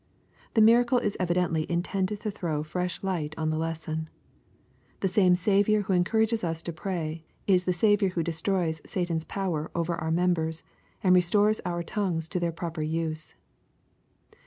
The miracle is evidently intended to throw fresh light on the lesson. The same Saviour who encourages'us to pray, is the Saviour who destroys Satan's power over our members, and restores our tongues to their proper use.